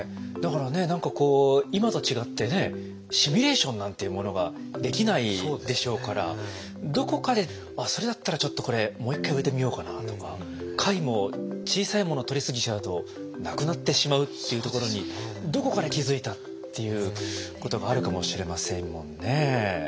だからね何かこう今と違ってねシミュレーションなんていうものができないでしょうからどこかでそれだったらちょっとこれもう一回植えてみようかなとか貝も小さいものを取り過ぎちゃうとなくなってしまうっていうところにどこかで気付いたっていうことがあるかもしれませんもんね。